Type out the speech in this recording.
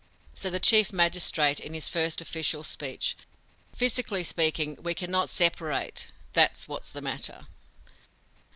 Said the Chief Magistrate, in his first official speech: "Physically speaking, we cannot separate that's what's the matter."